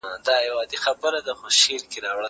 مکتب د ښوونکي له خوا خلاصیږي!؟